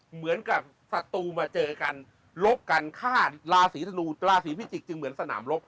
เหมือนกับศัตรูมาเจอกันลบกันฆ่าราศีธนูราศีพิจิกจึงเหมือนสนามลบ